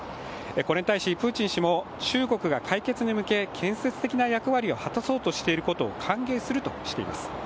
これに対しプーチン氏も中国が解決に向け建設的な役割を果たそうとしていることを歓迎するとしています。